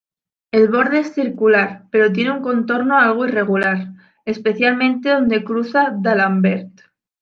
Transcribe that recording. El borde es circular, pero tiene un contorno algo irregular, especialmente donde cruza D'Alembert.